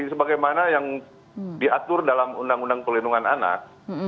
jadi sebagaimana yang diatur dalam undang undang pelindungan anak